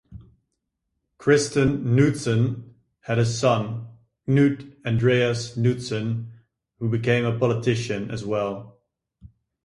Christen Knudsen had a son Knut Andreas Knudsen who became a politician as well.